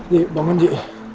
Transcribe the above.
di bangun di